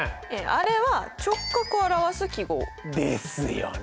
あれは直角を表す記号。ですよね。